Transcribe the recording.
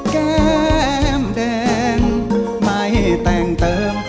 แก้มแดงไม่แต่งเติม